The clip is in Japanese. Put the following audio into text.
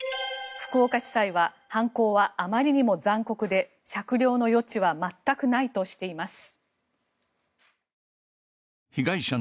福岡地裁は犯行はあまりにも残酷で酌量の余地は全くないとしています。